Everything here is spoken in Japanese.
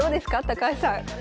高橋さん。